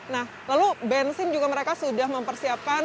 nah lalu bensin juga mereka sudah mempersiapkan